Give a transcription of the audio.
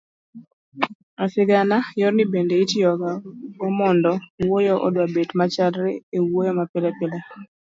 e sigana, yorni bende itiyogo mondo wuoyo odwabet machalre e wuoyo mapilepile